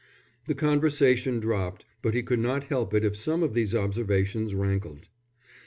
The conversation dropped, but he could not help it if some of these observations rankled.